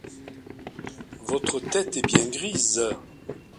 Votre tête est bien grise!